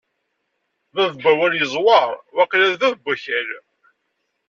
Bab n wawal yezwar waqila bab n wakal.